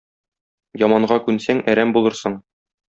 Яманга күнсәң, әрәм булырсың.